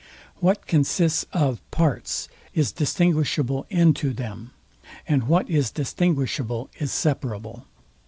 What consists of parts is distinguishable into them, and what is distinguishable is separable.